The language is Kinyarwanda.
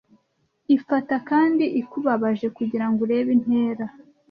Ifata kandi ikubabaje kugirango urebe intera